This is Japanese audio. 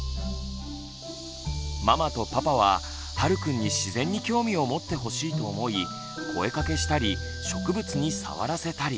ママとパパははるくんに自然に興味を持ってほしいと思い声かけしたり植物に触らせたり。